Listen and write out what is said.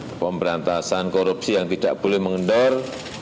upaya pemberantasan korupsi yang tidak boleh mengendar